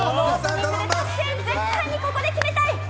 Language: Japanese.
絶対にここで決めたい。